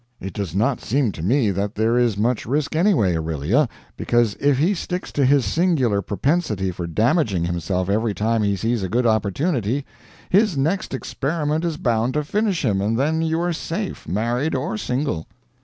It does not seem to me that there is much risk, anyway, Aurelia, because if he sticks to his singular propensity for damaging himself every time he sees a good opportunity, his next experiment is bound to finish him, and then you are safe, married or single.